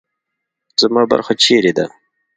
زما برخه چیرې ده؟